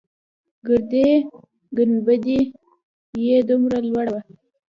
ګردۍ گنبده يې دومره لوړه وه.